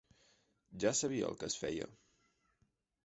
Ja sabia el que es feia